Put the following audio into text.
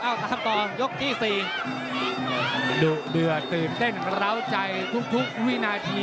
เย็นเมื่อนกระเวาะใจทุกทุกวินาที